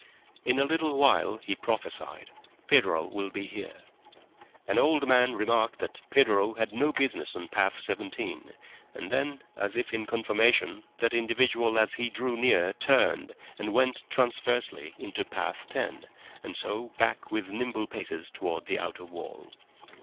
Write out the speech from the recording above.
"In a little while," he prophesied, "Pedro will be here." An old man remarked that Pedro had no business on path Seventeen, and then, as if in confirmation, that individual as he drew near turned and went transversely into path Ten, and so back with nimble paces towards the outer wall.